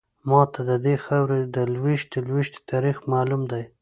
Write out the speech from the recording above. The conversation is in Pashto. ماته ددې خاورې د لویشتې لویشتې تاریخ معلوم دی.